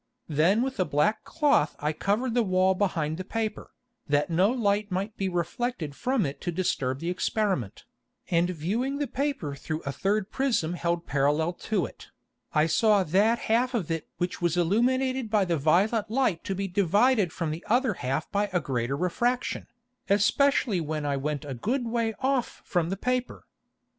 Then with a black Cloth I covered the Wall behind the Paper, that no Light might be reflected from it to disturb the Experiment, and viewing the Paper through a third Prism held parallel to it, I saw that half of it which was illuminated by the violet Light to be divided from the other half by a greater Refraction, especially when I went a good way off from the Paper.